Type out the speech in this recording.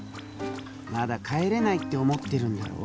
まだ帰れないって思ってるんだろ？